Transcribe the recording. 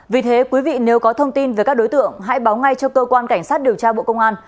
vì thế quý vị nếu có thông tin về các đối tượng hãy báo ngay cho cơ quan cảnh sát điều tra bộ công an